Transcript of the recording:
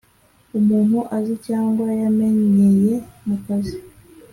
umuntu azi cyangwa yamenyeye mukazi